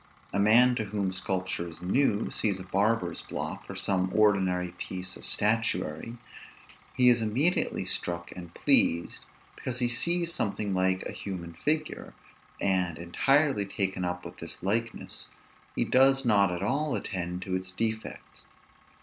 A man to whom sculpture is new, sees a barber's block, or some ordinary piece of statuary; he is immediately struck and pleased, because he sees something like a human figure; and, entirely taken up with this likeness, he does not at all attend to its defects.